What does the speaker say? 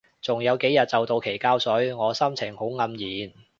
仲有幾日就到期交稅，我心情好黯然